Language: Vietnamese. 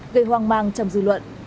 gây hoang mang trong dự luận